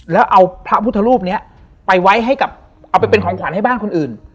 แล้วเอาพระพุทธรูปนี้ไปไว้ให้กับเอาไปเป็นของขวัญให้บ้านคนอื่น